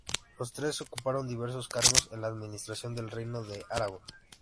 Los tres ocuparon diversos cargos en la administración del Reino de Aragón.